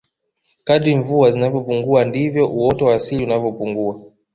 kadri mvua zinavyopungua ndivyo uoto wa asili unavyopungua